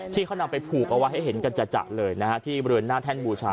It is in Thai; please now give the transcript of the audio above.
ที่เขานำไปผูกเอาไว้ให้เห็นกันจัดเลยนะฮะที่บริเวณหน้าแท่นบูชา